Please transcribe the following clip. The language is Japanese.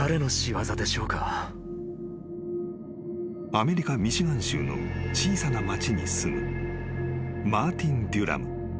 ［アメリカミシガン州の小さな町に住むマーティン・デュラム］